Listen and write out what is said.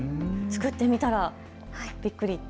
作ってみたらびっくり。